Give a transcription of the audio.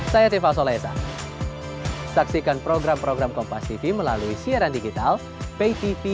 saya tifa solesa saksikan program program kompas tv melalui siaran digital pay tv